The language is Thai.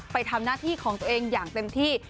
ไปทำหน้าที่ของตัวเองอย่างเต็มที่